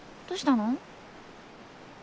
どしたの？